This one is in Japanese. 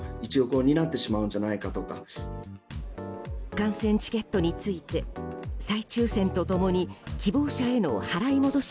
観戦チケットについて再抽選と共に希望者への払い戻し